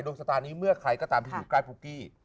ชะตานี้เมื่อใครก็ตามที่อยู่ใกล้ปุ๊กกี้